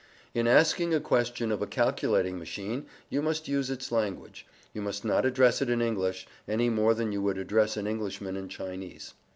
In asking a question of a calculating machine, you must use its language: you must not address it in English, any more than you would address an Englishman in Chinese.